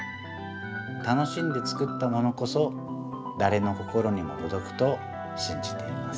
楽しんで作ったものこそだれの心にもとどくとしんじています。